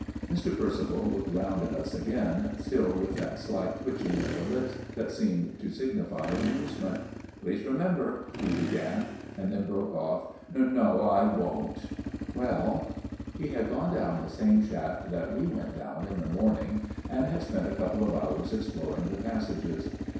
Mr. Percival looked round at us again, still with that slight twitching of the lips that seemed to signify amusement. " Please remember " he began ; and then broke off. " No I won't "" Well. " He had gone down the same shaft that we went down in the morning ; and had spent a couple of hours exploring the passages.